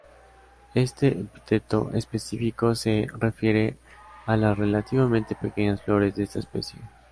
Este epíteto específico se refiere a las relativamente pequeñas flores de esta especie.